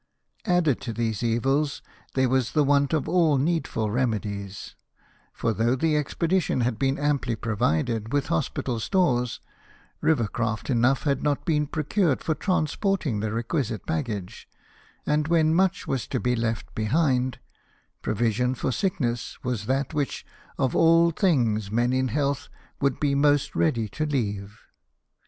Added to these evils, there was the want of all needful remedies ; for though the expedition had been amply provided with hospital stores, river craft enough had not been procured for transporting the requisite baggage ; and when much was to be left behind, provision for sickness was that which of all things men in health would be most ready to leave.